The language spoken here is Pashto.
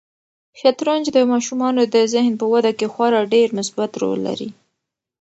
شطرنج د ماشومانو د ذهن په وده کې خورا ډېر مثبت رول لري.